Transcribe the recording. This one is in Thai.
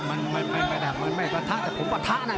มันไม่ปะทะแต่ผมปะทะนะ